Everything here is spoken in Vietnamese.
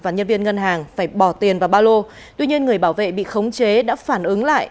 và nhân viên ngân hàng phải bỏ tiền vào ba lô tuy nhiên người bảo vệ bị khống chế đã phản ứng lại